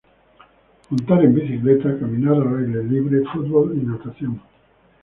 Montar en bicicleta, caminar al aire libre, futbol y natación.